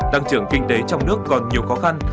tăng trưởng kinh tế trong nước còn nhiều khó khăn